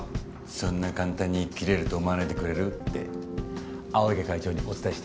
そんな簡単に切れると思わないでくれる？って青池会長にお伝えして。